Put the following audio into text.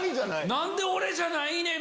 何で俺じゃないねん！